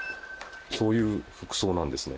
そういう服装なんですね。